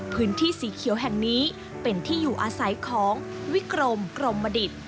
พื้นที่สีเขียวแห่งนี้เป็นที่อยู่อาศัยของวิกรมกรมดิษฐ์